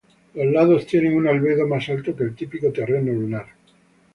Los lados tienen un albedo más alto que el típico terreno lunar.